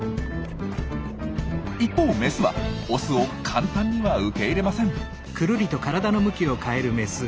一方メスはオスを簡単には受け入れません。